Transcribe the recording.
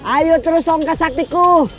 ayo terus tongkat saktiku